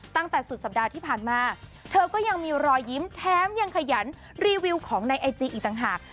ตั้งแต่สุดสัปดาห์ที่ผ่านมาเธอก็ยังมีรอยยิ้มแถมยังขยันรีวิวของในไอจีอีกต่างหาก